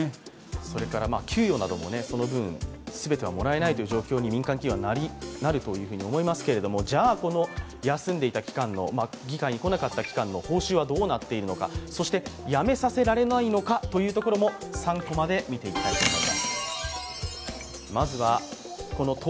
それから給与なども、その分、全てはもらえないというふうに民間企業はなると思いますがじゃ休んでいた期間の、議会に来なかった期間の報酬はどうなっているのか、そして辞めさせられないのかというところも３コマで見ていきたいと思います。